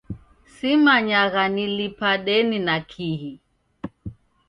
Simanyagha nilipa deni na kihi